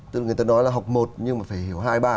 tức người ta nói là học một nhưng mà phải hiểu hai ba